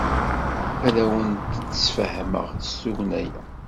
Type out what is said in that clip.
Ad awent-d-sfehmeɣ s tugna-a.